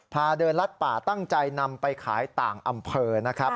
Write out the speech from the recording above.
พาเดินลัดป่าตั้งใจนำไปขายต่างอำเภอนะครับ